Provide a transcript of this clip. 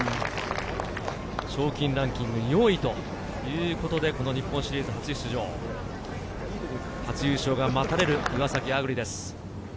賞金ランキング４位、この日本シリーズ初出場、初優勝が待たれる、岩崎亜久竜です。